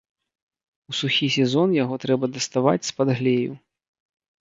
У сухі сезон яго трэба даставаць з-пад глею.